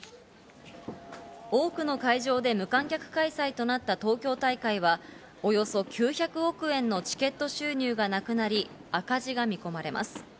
多くの会場で無観客開催となった東京大会は、およそ９００億円のチケット収入がなくなり赤字が見込まれます。